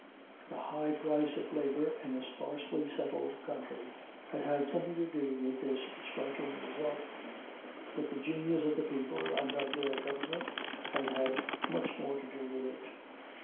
The high price of labor in a sparsely settled country has had something to do with this striking result; but the genius of the people and of their government has had much more to do with it.